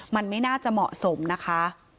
มันไม่น่าจะเหมาะสมนะคะ